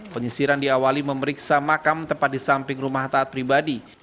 penyisiran diawali memeriksa makam tepat di samping rumah taat pribadi